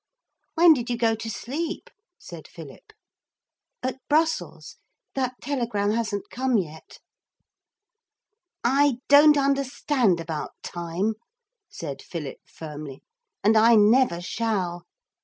'When did you go to sleep?' said Philip. 'At Brussels. That telegram hasn't come yet.' 'I don't understand about time,' said Philip firmly, 'and I never shall.